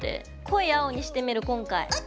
濃い青にしてみる今回。ＯＫ！